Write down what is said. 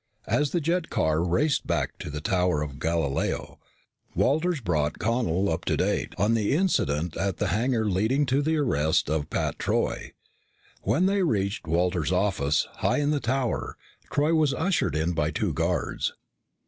As the jet car raced back to the Tower of Galileo, Walters brought Connel up to date on the incident at the hangar leading to the arrest of Pat Troy. When they reached Walters' office, high in the tower, Troy was ushered in by two guards.